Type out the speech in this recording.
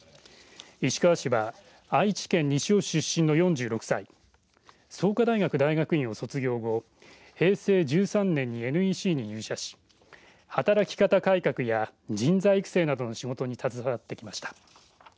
石川氏は愛知県西尾市出身の４６歳創価大学大学院を卒業後平成１３年にＮＥＣに入社し働き方改革や人材育成などの仕事に携わってきました。